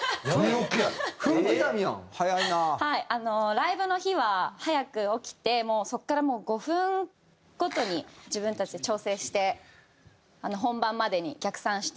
ライブの日は早く起きてそこからもう５分ごとに自分たちで調整して本番までに逆算して作っていきます。